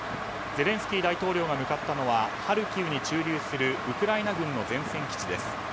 ゼレンスキー大統領が向かったのはハルキウに駐留するウクライナ軍の前線基地です。